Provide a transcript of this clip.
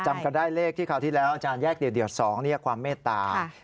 จำกันได้เลขที่คราวที่แล้วอาจารย์แยกเดี่ยว๒ความเมตตา